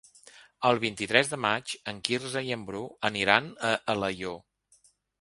El vint-i-tres de maig en Quirze i en Bru aniran a Alaior.